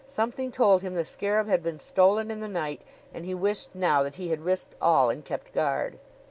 Something told him the scarab had been stolen in the night, and he wished now that he had risked all and kept guard.